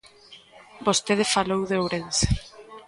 Vostede falou de Ourense.